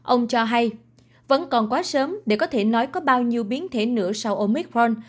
ông cho hay vẫn còn quá sớm để có thể nói có bao nhiêu biến thể nữa sau omithforn